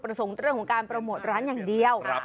เพราะเป็นเรื่องของการประโมช์ร้านอย่างเดียว